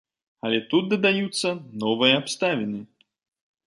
Але тут дадаюцца новыя абставіны.